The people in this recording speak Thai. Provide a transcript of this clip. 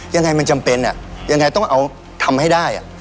ยังไงมันจำเป็นยังไงต้องเอาทำให้ได้